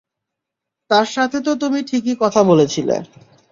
তার সাথে তো তুমি ঠিকই কথা বলেছিলে।